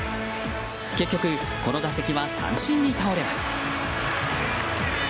結局、この打席は三振に倒れます。